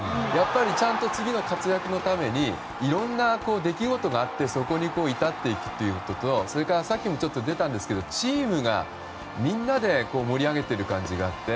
ちゃんと次の活躍のためにいろんな出来事があってそこに至っていくこととそれから、チームがみんなで盛り上げている感じがあって。